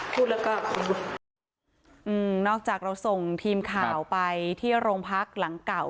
พูดแล้วก็อืมนอกจากเราส่งทีมข่าวไปที่โรงพักหลังเก่า